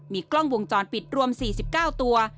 มีกล้องวงจรปิดรวม๔๙ตัว